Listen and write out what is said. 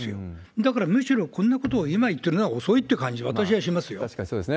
だからむしろこんなことを今言ってるのは遅いって感じ、私はしま確かにそうですね。